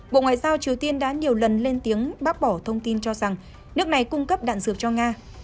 bộ ngoại giao triều tiên đã nhiều lần lên tiếng bác bỏ thông tin cho rằng nước này cung cấp đạn dược cho nga